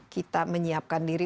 kita menyiapkan diri